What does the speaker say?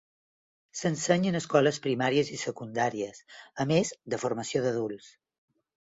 S'ensenya en escoles primàries i secundàries, a més de formació d'adults.